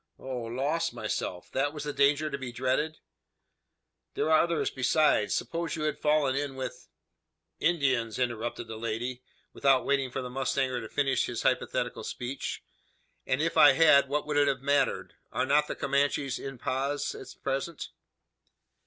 "Oh lost myself! That was the danger to be dreaded?" "There are others, besides. Suppose you had fallen in with " "Indians!" interrupted the lady, without waiting for the mustanger to finish his hypothetical speech. "And if I had, what would it have mattered? Are not the Comanches en paz at present?